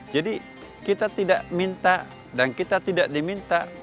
jadi kita tidak minta dan kita tidak diminta